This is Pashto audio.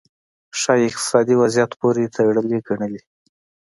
ښايي اقتصادي وضعیت پورې تړلې ګڼلې.